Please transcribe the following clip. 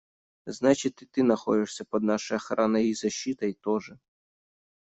Значит, и ты находишься под нашей охраной и защитой тоже.